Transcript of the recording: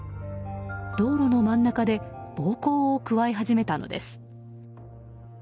道路の真ん中で暴行を加え始めたのです。